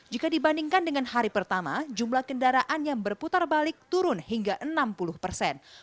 jika dibandingkan dengan hari pertama jumlah kendaraan yang berputar balik turun hingga enam puluh persen